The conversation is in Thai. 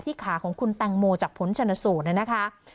ขาของคุณแตงโมจากผลชนสูตรนะคะ